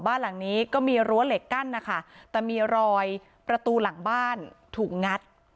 บ้านหลังนี้ก็มีรั้วเหล็กกั้นนะคะแต่มีรอยประตูหลังบ้านถูกงัด